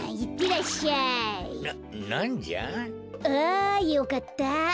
あよかった。